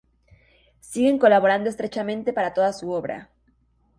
Siguen colaborando estrechamente para toda su obra.